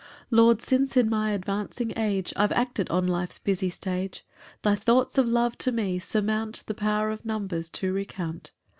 6 Lord, since in my advancing age I've acted on life's busy stage, Thy thoughts of love to me surmount The power of numbers to recount.